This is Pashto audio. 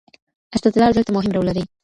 استدلال دلته مهم رول لري.